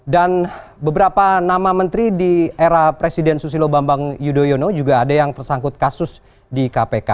dan beberapa nama menteri di era presiden susilo bambang yudhoyono juga ada yang tersangkut kasus di kpk